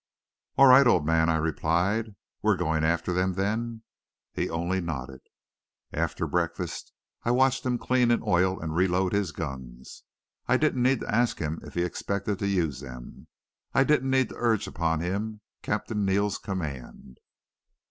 "'All right, old man,' I replied. 'We're going after them, then?' "He only nodded. "After breakfast I watched him clean and oil and reload his guns. I didn't need to ask him if he expected to use them. I didn't need to urge upon him Captain Neal's command.